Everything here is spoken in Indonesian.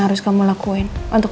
eh saya pecat papa dulu